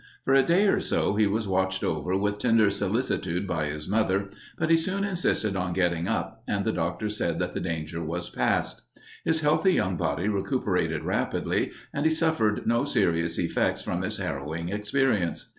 For a day or so he was watched over with tender solicitude by his mother, but he soon insisted on getting up, and the doctor said that the danger was past. His healthy young body recuperated rapidly and he suffered no serious effects from his harrowing experience.